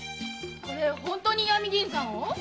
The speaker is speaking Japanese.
これ本当に石見銀山を？